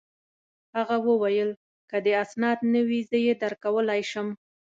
هغه وویل: که دي اسناد نه وي، زه يې درکولای شم.